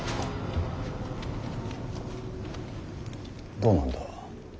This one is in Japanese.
どうなんだ。